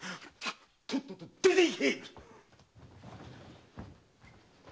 とっとと出ていけ！